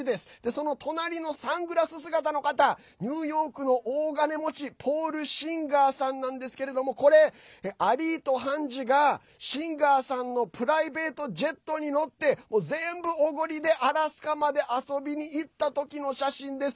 その隣のサングラス姿の方ニューヨークの大金持ちポール・シンガーさんなんですけれどもこれ、アリート判事がシンガーさんのプライベートジェットに乗って全部おごりで、アラスカまで遊びにいった時の写真です。